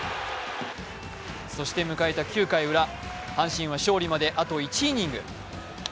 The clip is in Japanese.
そして迎えた９回ウラ、阪神は勝利まであと１イニング。